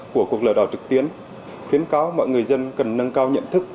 của cuộc lợi đảo trực tiến khuyến cáo mọi người dân cần nâng cao nhận thức